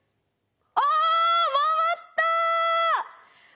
あっ回った！